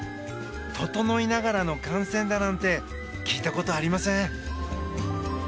ととのいながらの観戦だなんて聞いたことありません。